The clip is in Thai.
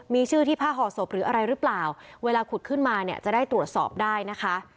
มีชื่อที่ผ้าห่อศพหรืออะไรหรือเปล่าเวลาขุดขึ้นมาเนี่ยจะได้ตรวจสอบได้นะคะ